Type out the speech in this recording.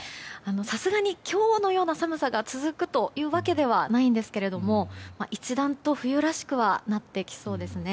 さすがに今日のような寒さが続くわけではないんですけど一段と冬らしくはなってきそうですね。